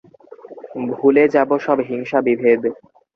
ভুলে যাবো সব হিংসা বিভেদ